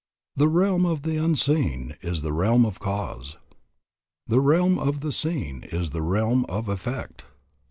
The realm of the unseen is the realm of cause. The realm of the seen is the realm of effect.